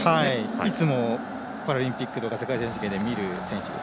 いつもパラリンピックや世界選手権で見る選手です。